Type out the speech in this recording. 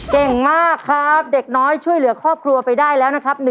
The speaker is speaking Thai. เก่งมากครับเด็กน้อยช่วยเหลือครอบครัวไปได้แล้วนะครับ